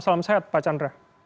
salam sehat pak chandra